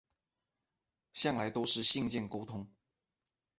向来都是信件沟通